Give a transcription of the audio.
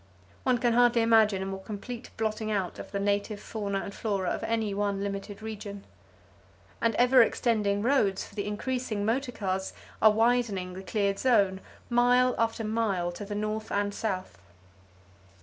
One can hardly imagine a more complete [Page 202] blotting out of the native fauna and flora of any one limited region. And ever extending roads for the increasing motor cars are widening the cleared zone, mile after mile to the north and south.